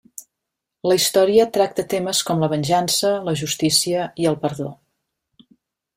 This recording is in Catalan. La història tracta temes com la venjança, la justícia i el perdó.